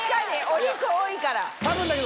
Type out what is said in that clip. お肉多いから。